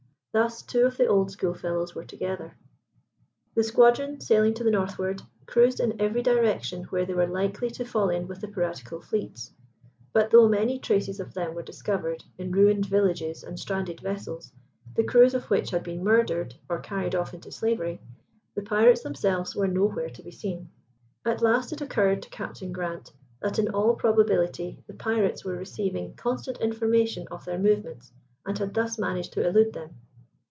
Thus two of the old schoolfellows were together. The squadron, sailing to the northward, cruised in every direction where they were likely to fall in with the piratical fleets; but though many traces of them were discovered in ruined villages and stranded vessels, the crews of which had been murdered or carried off into slavery, the pirates themselves were nowhere to be seen. At last it occurred to Captain Grant that in all probability the pirates were receiving constant information of their movements, and had thus managed to elude them.